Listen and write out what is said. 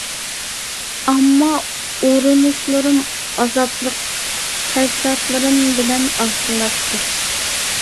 ئەمما، ئۇرۇنۇشلىرىم ئازابلىق تەسىراتلىرىم بىلەن ئاخىرلاشتى.